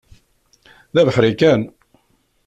D abeḥri kan.